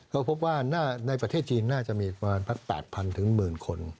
เขาพบว่าในประเทศจีนน่าจะมีประมาณ๘๐๐๐๑๐๐๐๐คน